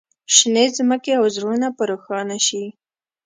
شینې ځمکې او زړونه په روښانه شي.